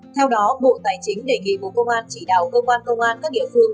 theo đó bộ tài chính đề nghị bộ công an chỉ đạo cơ quan công an các địa phương